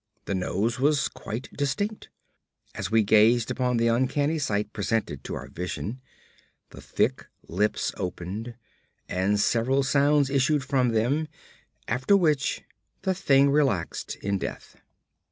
The nose was quite distinct. As we gazed upon the uncanny sight presented to our vision, the thick lips opened, and several sounds issued from them, after which the thing relaxed in death.